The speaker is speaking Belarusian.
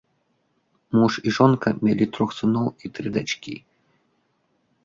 Муж і жонка мелі трох сыноў і тры дачкі.